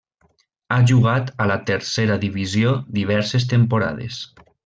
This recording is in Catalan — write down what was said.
Ha jugat a la Tercera Divisió diverses temporades.